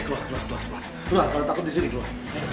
keluar keluar keluar kalau takut disini keluar